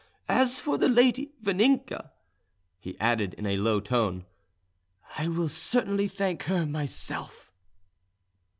As for the lady Vaninka," he added in a low tone, "I will certainly thank her myself."